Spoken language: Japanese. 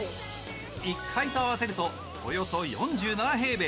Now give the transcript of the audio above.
１階と合わせるとおよそ４７平米。